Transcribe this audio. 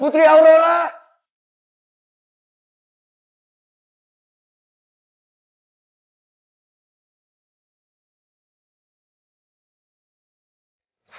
putri aku nolak